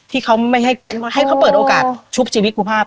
ที่เค้าไม่ให้ให้เค้าเปิดโอกาสชุบชีวิตกลูกภาพ